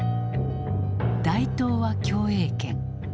「大東亜共栄圏」。